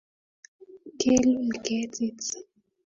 kelul ketit